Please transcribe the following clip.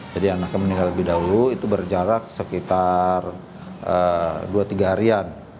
jadi anaknya meninggal lebih dahulu itu berjarak sekitar dua tiga harian